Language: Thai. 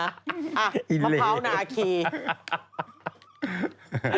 อ่ะมะพร้าวนาคีอีเหล่ะ